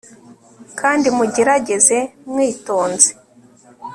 kandi mugerageze mwitonze